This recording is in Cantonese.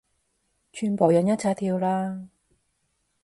全部人一齊跳啦